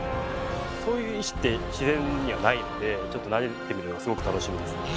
こういう石って自然にはないのでちょっと投げてみるのがすごく楽しみです。